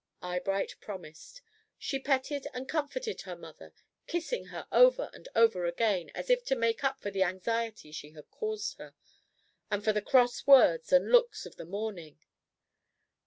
Eyebright promised. She petted and comforted her mother, kissing her over and over again, as if to make up for the anxiety she had caused her, and for the cross words and looks of the morning.